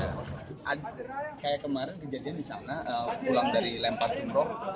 kayak kemarin kejadian di sana pulang dari lempar jumroh